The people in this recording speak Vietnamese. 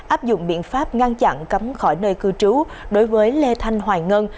áp dụng biện pháp ngăn chặn cấm khỏi nơi cư trú đối với lê thanh hoài ngân